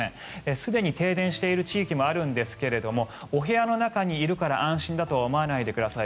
すでに停電している地域もあるんですがお部屋の中にいるから安心だと思わないでください。